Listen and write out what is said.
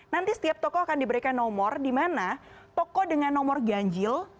nanti setiap toko akan diberikan nomor di mana toko dengan nomor ganjil